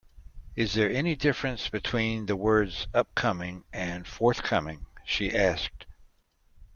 Is there any difference between the words Upcoming and forthcoming? she asked